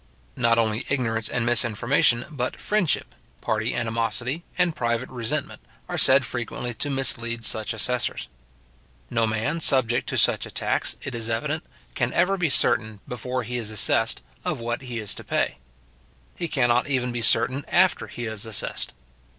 Not only ignorance and misinformation, but friendship, party animosity, and private resentment, are said frequently to mislead such assessors. No man subject to such a tax, it is evident, can ever be certain, before he is assessed, of what he is to pay. He cannot even be certain after he is assessed.